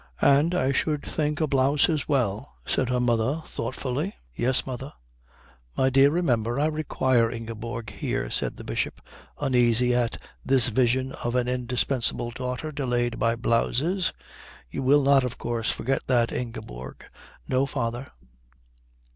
"And I should think a blouse as well," said her mother thoughtfully. "Yes, mother." "My dear, remember I require Ingeborg here," said the Bishop, uneasy at this vision of an indispensable daughter delayed by blouses. "You will not, of course, forget that, Ingeborg." "No, father."